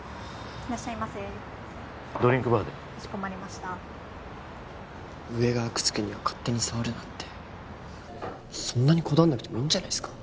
いらっしゃいませドリンクバーでかしこまりました上が阿久津家には勝手に触るなってそんなにこだわんなくてもいいんじゃないすか？